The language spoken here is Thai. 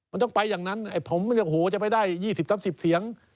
มันต้องไปอย่างนั้นผมจะไปได้๒๐๓๐เสียง